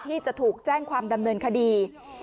ที่จะถูกแจ้งความดำเนินคดี